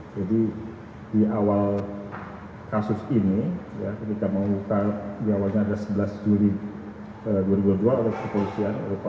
jadi di awal kasus ini ketika mengungkap jawabannya sebelas juli dua ribu dua puluh dua oleh polisi